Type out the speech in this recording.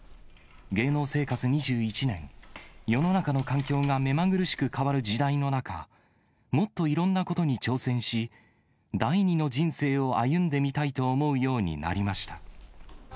芸能生活２１年、世の中の環境が目まぐるしく変わる時代の中、もっといろんなことに挑戦し、第二の人生を歩んでみたいと思うようになりました。